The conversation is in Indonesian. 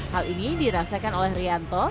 hal ini dirasakan oleh rianto